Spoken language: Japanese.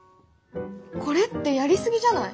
これってやり過ぎじゃない？